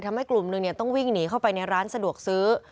ทำให้กลุ่มหนึ่งต้องวิ่งหนีเข้าไปในร้านสะดวกซื้อ